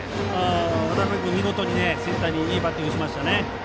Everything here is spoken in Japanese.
渡邊君、見事にセンターにいいバッティングしましたね。